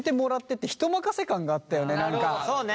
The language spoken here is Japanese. そうね。